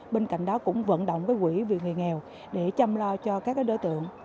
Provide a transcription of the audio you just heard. bên cạnh đó cũng vận động với quỹ vì người nghèo để chăm lo cho các đối tượng